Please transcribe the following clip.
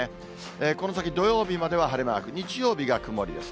この先、土曜日までは晴れマーク、日曜日が曇りです。